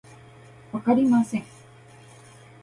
わかりません